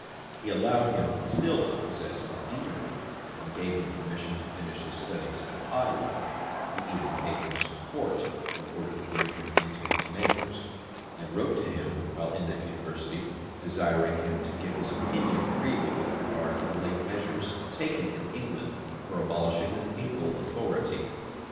He allowed him still to possess his deanery, and gave him permission to finish his studies at Padua: he even paid him some court, in order to bring him into his measures; and wrote to him, while in that university, desiring him to give his opinion freely with regard to the late measures taken in England for abolishing the papal authority.